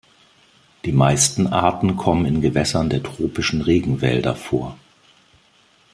Die meisten Arten kommen in Gewässern der tropischen Regenwälder vor.